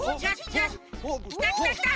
きたきたきた！